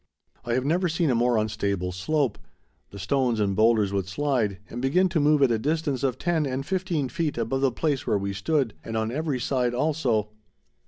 I have never seen a more unstable slope. The stones and boulders would slide, and begin to move at a distance of ten and fifteen feet above the place where we stood, and on every side also.